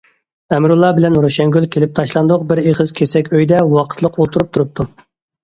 ئەمىرۇللا بىلەن روشەنگۈل كېلىپ تاشلاندۇق بىر ئېغىز كېسەك ئۆيدە ۋاقىتلىق ئولتۇرۇپ تۇرۇپتۇ.